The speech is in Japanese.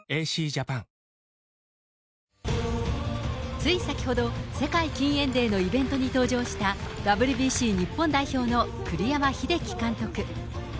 つい先ほど、世界禁煙デーのイベントに登場した、ＷＢＣ日本代表の栗山英樹監督。